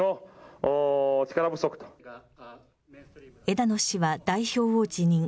枝野氏は代表を辞任。